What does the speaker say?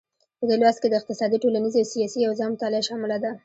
په دې لوست کې د اقتصادي، ټولنیزې او سیاسي اوضاع مطالعه شامله ده.